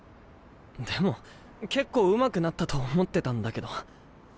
でも結構うまくなったと思ってたんだけど。